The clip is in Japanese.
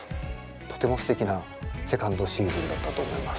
とてもすてきなセカンドシーズンだったと思います。